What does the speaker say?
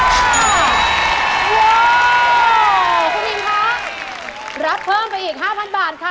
คุณอิมคะรับเพิ่มไปอีก๕๐๐บาทค่ะ